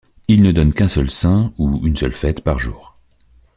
Ils ne donnent qu'un seul saint, ou une seule fête, par jour.